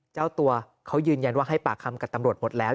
เจ้าตัวเขายืนยันว่าให้ปากคำกับตำรวจหมดแล้ว